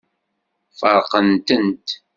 Feṛqent-tent.